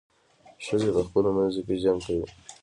ښځې په خپلو منځو کې جنګ کوي.